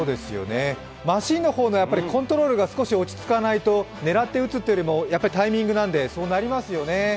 マシンのコントロールが少し落ち着かないと狙って打つというよりも、やっぱりタイミングなので、そうなりますよね。